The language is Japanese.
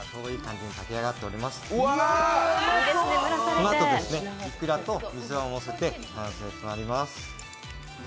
このあと、いくらと水菜をのせて、完成となります。